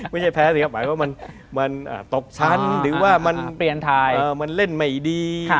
ไม่ใช่แพ้สิครับหมายความว่ามันตกชั้นหรือว่ามันเล่นไม่ดี